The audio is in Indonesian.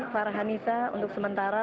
farhanisa untuk sementara